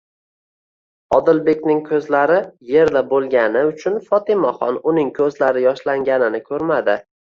Odilbekning ko'zlari yerda bo'lgani uchun Fotimaxon uning ko'zlari yoshlanganini ko'rmadi.